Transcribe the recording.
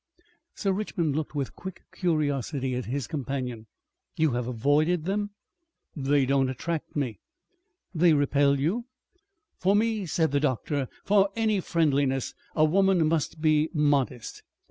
Sir Richmond looked with quick curiosity at his companion. "You have avoided them!" "They don't attract me." "They repel you?" "For me," said the doctor, "for any friendliness, a woman must be modest....